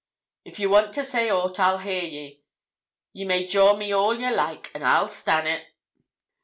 'If you want to say aught, I'll hear ye. Ye may jaw me all ye like, and I'll stan' it.'